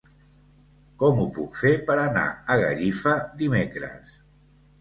Com ho puc fer per anar a Gallifa dimecres?